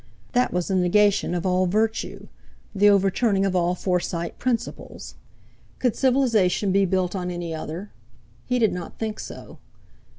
That was the negation of all virtue, the overturning of all Forsyte principles. Could civilization be built on any other? He did not think so.